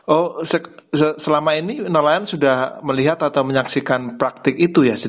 oh selama ini nelayan sudah melihat atau menyaksikan praktik itu ya